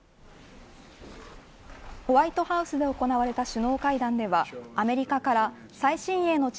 ホワイトハウスで行われた首脳会談ではアメリカから最新鋭の地